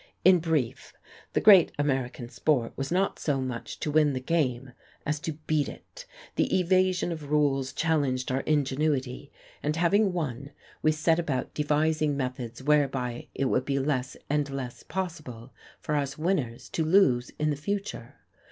In brief, the great American sport was not so much to win the game as to beat it; the evasion of rules challenged our ingenuity; and having won, we set about devising methods whereby it would be less and less possible for us winners to lose in the future.